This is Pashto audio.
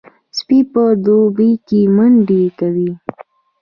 سپي په دوبي کې منډې کوي.